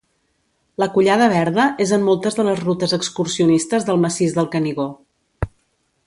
La Collada Verda és en moltes de les rutes excursionistes del Massís del Canigó.